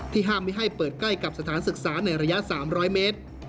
ห้ามไม่ให้เปิดใกล้กับสถานศึกษาในระยะ๓๐๐เมตร